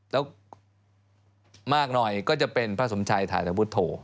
แล้วมากหน่อยก็จะเป็นพระสมชัยฐานวุฒโธ